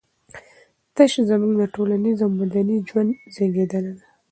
تش زموږ د ټولنيز او مدني ژوند زېږنده دي.